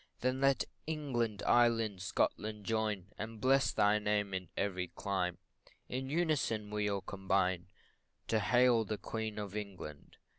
Then let England, Ireland, Scotland, join, And bless thy name in every clime In unison we all combine To hail the Queen of England.